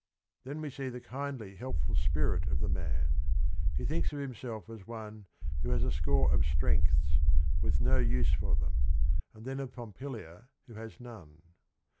" Then we see the kindly helpful spirit of the man. He thinks of himself as one who has a "score of strengths with no use for them," and then of Pompilia who has none.